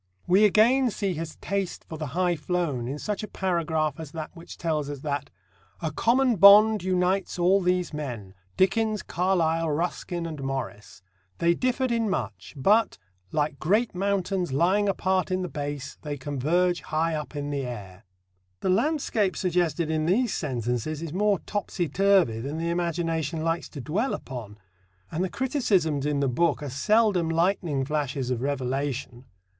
We again see his taste for the high flown in such a paragraph as that which tells us that "a common bond unites all these men Dickens, Carlyle, Ruskin and Morris. They differed in much; but, like great mountains lying apart in the base, they converge high up in the air." The landscape suggested in these sentences is more topsy turvy than the imagination likes to dwell upon. And the criticisms in the book are seldom lightning flashes of revelation.